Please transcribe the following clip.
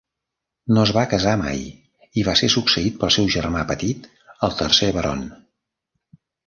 No es va casar mai i va ser succeït pel seu germà petit, el tercer Baron.